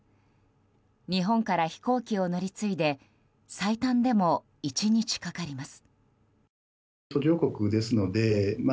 日本から飛行機を乗り継いで最短でも１日かかります。